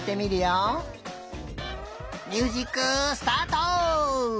ミュージックスタート！